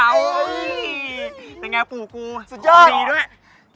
แต่งงานฝูกูดีด้วยนะเนี่ยสุดยอด